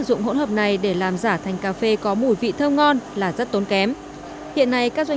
dụng hỗn hợp này để làm giả thành cà phê có mùi vị thơm ngon là rất tốn kém hiện nay các doanh